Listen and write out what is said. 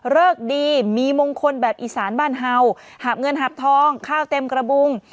เลิกดีมีมงคลแบบอีสานบ้านเห่าหาบเงินหาบทองข้าวเต็มกระบุง